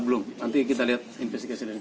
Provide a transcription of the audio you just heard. belum nanti kita lihat investigasi dari